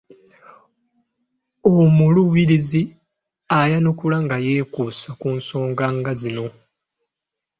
Omuluubirizi ayanukule nga yeekuusa ku nsonga nga zino: